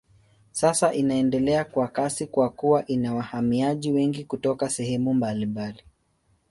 Sasa inaendelea kwa kasi kwa kuwa ina wahamiaji wengi kutoka sehemu mbalimbali.